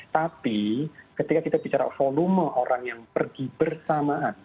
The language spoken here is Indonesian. tapi ketika kita bicara volume orang yang pergi bersamaan